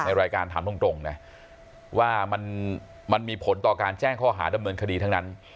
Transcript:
รายการถามตรงนะว่ามันมีผลต่อการแจ้งข้อหาดำเนินคดีทั้งนั้น